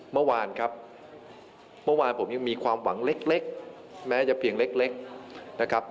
เมื่อวานครับเมื่อวานผมยังมีความหวังเล็กแม้จะเพียงเล็กนะครับ